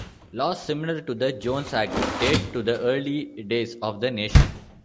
Laws similar to the Jones Act date to the early days of the nation.